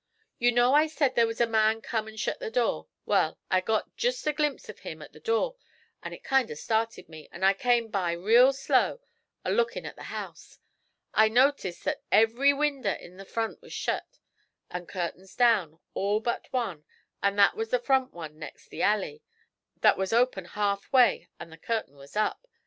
You know I said there was a man come and shet the door; wal, I got jest a glimpse of him at the door, and it kind o' started me, and I came by real slow, a lookin' at the house. I noticed that every winder in the front was shet, and the curtains down, all but one, and that was the front one next the alley; that was open half way and the curtain was up.